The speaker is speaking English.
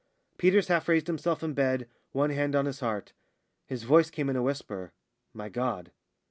Peters half raised himself in bed, one hand on his heart. His voice came in a whisper, "My God!"